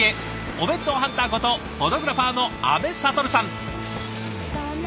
お弁当ハンターことフォトグラファーの阿部了さん。